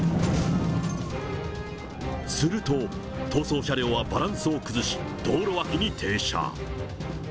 すると、逃走車両はバランスを崩し、道路脇に停車。